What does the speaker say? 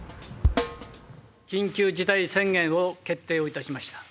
緊急事態宣言を決定をいたしました。